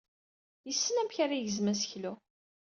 Yessen amek ara yegzem aseklu.